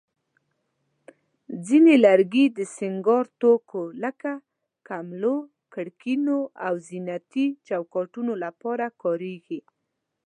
ځینې لرګي د سینګار توکو لکه کملو، کړکینو، او زینتي چوکاټونو لپاره کارېږي.